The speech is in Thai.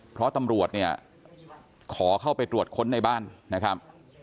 เพราะตำรวจเนี่ยขอเข้าไปตรวจค้นในบ้านนะครับ